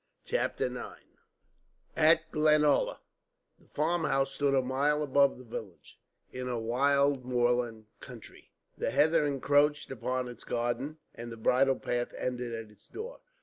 CHAPTER IX AT GLENALLA The farm house stood a mile above the village, in a wild moorland country. The heather encroached upon its garden, and the bridle path ended at its door.